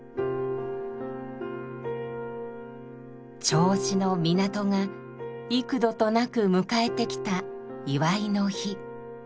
銚子の港が幾度となく迎えてきた祝いの日。